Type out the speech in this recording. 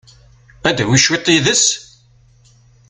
Ad tawi cwiṭ yid-s?